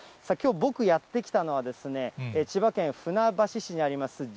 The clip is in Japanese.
きょう僕やって来たのは、千葉県船橋市にあります